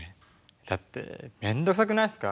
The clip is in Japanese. だって面倒くさくないっすか？